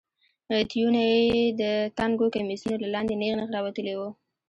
تيونه يې د تنګو کميسونو له لاندې نېغ نېغ راوتلي وو.